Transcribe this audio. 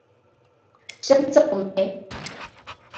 山噪鹛。